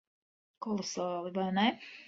Kolosāli. Vai ne?